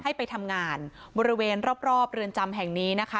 ให้ไปทำงานบริเวณรอบเรือนจำแห่งนี้นะคะ